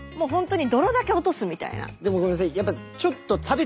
でもごめんなさい